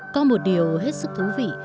có một điều hết sức thú vị